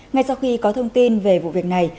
ngay sau khi có thông tin về vụ việc này